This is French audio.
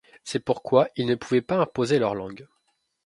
C'est pourquoi ils ne pouvaient pas imposer leur langue.